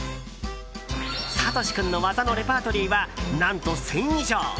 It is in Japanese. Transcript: サトシ君の技のレパートリーは何と１０００件以上。